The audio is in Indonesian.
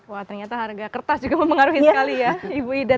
wah ternyata harga kertas juga mempengaruhi sekali ya ibu ida